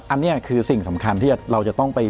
อันนี้คือสิ่งสำคัญที่เราจะต้องไป